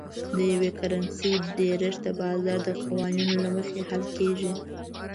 د یوې کرنسۍ ډېرښت د بازار د قوانینو له مخې حل کیږي.